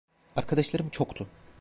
Arkadaşlarım çoktu.